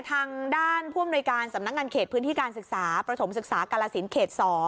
ทางด้านผู้อำนวยการสำนักงานเขตพื้นที่การศึกษาประถมศึกษากาลสินเขต๒